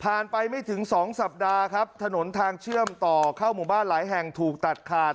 ไปไม่ถึงสองสัปดาห์ครับถนนทางเชื่อมต่อเข้าหมู่บ้านหลายแห่งถูกตัดขาด